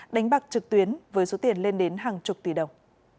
đánh bạc trực tuyến với số tiền lên đến hàng chục tỷ đồng